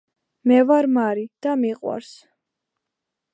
მე ვარ მარი და მიყვარს